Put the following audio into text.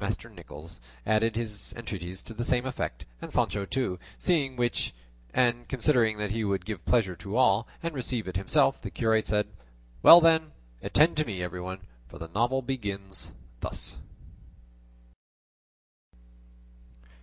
Master Nicholas added his entreaties to the same effect, and Sancho too; seeing which, and considering that he would give pleasure to all, and receive it himself, the curate said, "Well then, attend to me everyone, for the novel begins thus."